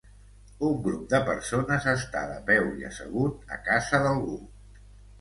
Un grup de persones està de peu i assegut a casa d'algú.